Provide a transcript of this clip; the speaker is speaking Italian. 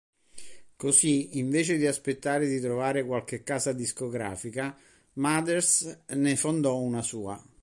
Così, invece di aspettare di trovare qualche casa discografica, Mathers ne fondò una sua.